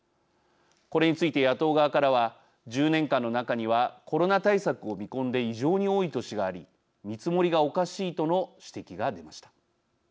これについて野党側からは１０年間の中にはコロナ対策を見込んで異常に多い年があり見積もりがおかしいとの指摘が出ました。